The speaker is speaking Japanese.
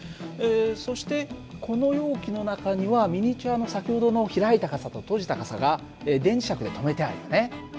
そしてこの容器の中にはミニチュアの先ほどの開いた傘と閉じた傘が電磁石で留めてあるよね。